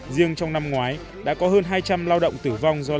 riêng trong năm ngoái đã có hơn hai trăm linh lao động tử vong